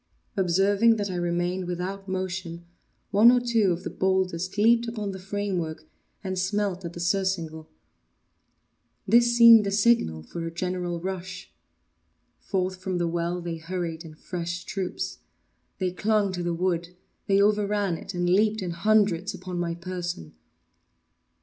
Observing that I remained without motion, one or two of the boldest leaped upon the frame work, and smelt at the surcingle. This seemed the signal for a general rush. Forth from the well they hurried in fresh troops. They clung to the wood—they overran it, and leaped in hundreds upon my person.